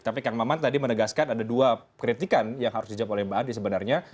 tapi kang maman tadi menegaskan ada dua kritikan yang harus dijawab oleh mbak andi sebenarnya